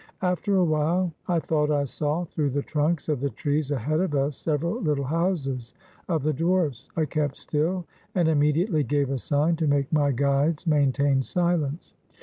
After a while I thought I saw through the trunks of the trees ahead of us several Httle houses of the dwarfs. I kept still, and immediately gave a sign to make my guides maintain silence.